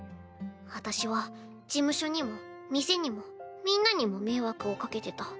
私は事務所にも店にもみんなにも迷惑をかけてた。